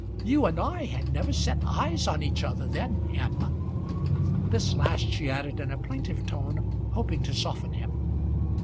You and I had never set eyes on each other then, M." This last she added in a plaintive tone, hoping to soften him.